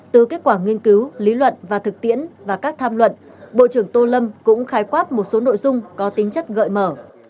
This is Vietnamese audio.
từ kết quả nghiên cứu lý luận và thực tiễn và các tham luận bộ trưởng tô lâm cũng khái quát một số nội dung có tính chất gợi mở